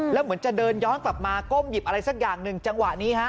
แล้วเหมือนจะเดินย้อนกลับมาก้มหยิบอะไรสักอย่างหนึ่งจังหวะนี้ฮะ